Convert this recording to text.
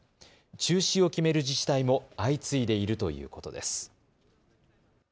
中止を決める自治体も相次いでいるということです。